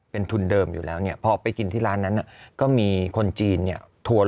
เป็นทุนเดิมอยู่แล้วเนี่ย